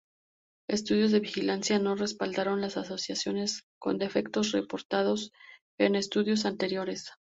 Estudios de vigilancia no respaldaron las asociaciones con defectos reportados en estudios anteriores.